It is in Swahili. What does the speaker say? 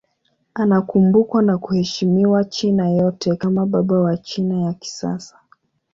Anakumbukwa na kuheshimiwa China yote kama baba wa China ya kisasa.